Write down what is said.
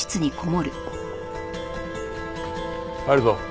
入るぞ。